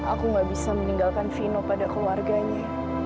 aku gak bisa meninggalkan vino pada keluarganya